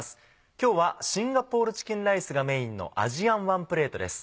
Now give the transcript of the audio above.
今日はシンガポールチキンライスがメインの「アジアンワンプレート」です。